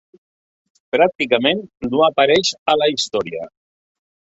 Pràcticament no apareix a la història.